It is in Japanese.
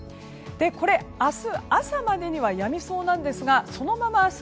明日朝までにはやみそうなんですがそのまま明日